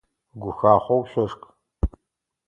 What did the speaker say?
Гухахъоу шъошх!